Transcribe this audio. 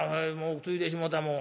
ついでしもうたもん。